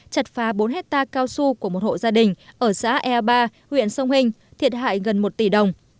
chặt phá bốn hectare cao su của một hộ gia đình ở xã ea ba huyện sông hình thiệt hại gần một tỷ đồng